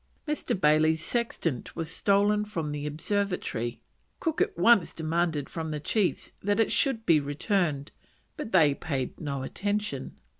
Mr. Bayley's sextant was stolen from the observatory: Cook at once demanded from the chiefs that it should be returned, but they paid no attention.